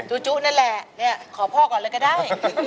จุนั่นแหละขอพ่อก่อนเลยก็ได้